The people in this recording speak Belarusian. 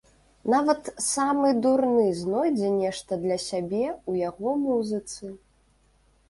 Нават самы дурны знойдзе нешта для сябе ў яго музыцы!